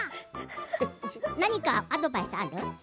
何かアドバイスある？